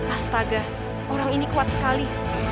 astaga orang ini kuat sekali